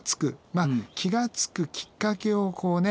まあ気が付くきっかけをこうね見つける。